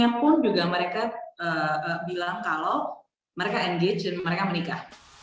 yang pun juga mereka bilang kalau mereka engage dan mereka menikah